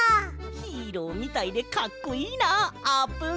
ヒーローみたいでかっこいいなあーぷん。